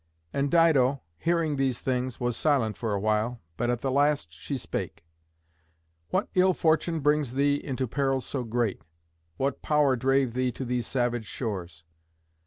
And Dido, hearing these things, was silent for a while, but at the last she spake: "What ill fortune brings thee into perils so great? what power drave thee to these savage shores?